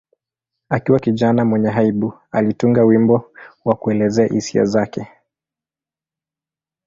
Akiwa kijana mwenye aibu, alitunga wimbo wa kuelezea hisia zake.